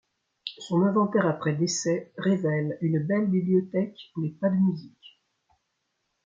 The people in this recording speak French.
Son inventaire après décès révèle une belle bibliothèque mais pas de musique.